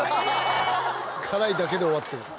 辛いだけで終わってる。